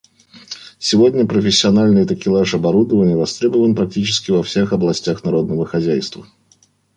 Сегодня профессиональный такелаж оборудования востребован практически во всех отраслях народного хозяйства.